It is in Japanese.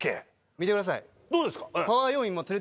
見てください。